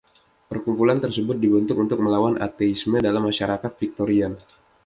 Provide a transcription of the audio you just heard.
Perkumpulan tersebut dibentuk untuk melawan ateisme dalam masyarakat Viktorian.